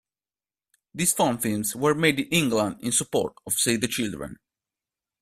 These fan films were made in England in support of Save the Children.